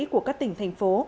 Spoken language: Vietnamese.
của các tỉnh thành phố